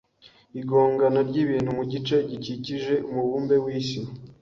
igongana ry'ibintu mu gice gikikije umubumbe w'isi